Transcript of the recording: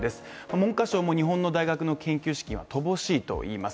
文科省も日本の大学の研究資金は乏しいといいます。